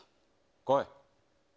来い。